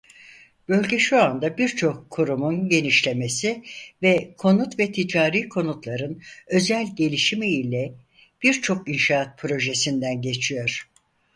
Bölge şu anda birçok kurumun genişlemesi ve konut ve ticari konutların özel gelişimi ile birçok inşaat projesinden geçiyor.